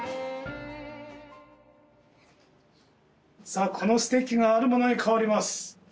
さあこのステッキがあるものに変わります。